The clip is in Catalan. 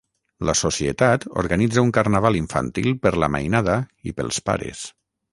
La Societat organitza un carnaval infantil per la mainada i pels pares.